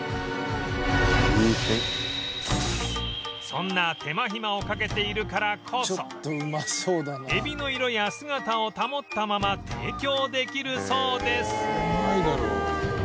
そんな手間暇をかけているからこそえびの色や姿を保ったまま提供できるそうです